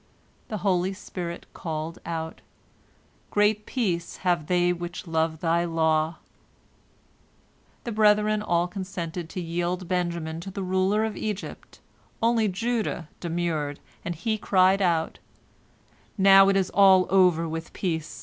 The holy spirit called out, "Great peace have they which love thy law!" The brethren all consented to yield Benjamin to the ruler of Egypt, only Judah demurred, and he cried out, "Now it is all over with peace!"